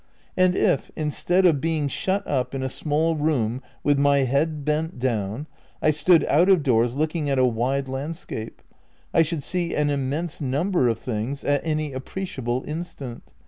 And if, instead of being shut up in a small room with my head bent down, I stood out of doors looking at a wide landscape, I should see an immense number of things at any appreciable instant.